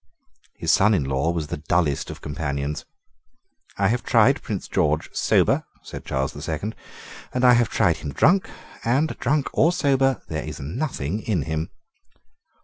His son in law was the dullest of companions. "I have tried Prince George sober," said Charles the Second; "and I have tried him drunk; and, drunk or sober, there is nothing in him."